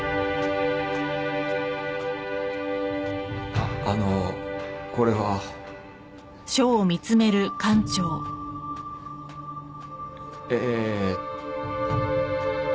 ああのうこれは。えー。